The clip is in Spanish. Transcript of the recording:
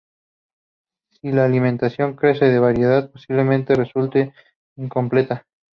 Si la alimentación carece de variedad, posiblemente resulte incompleta.